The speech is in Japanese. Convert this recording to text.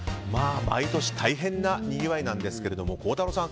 毎年大変なにぎわいなんですけれども孝太郎さん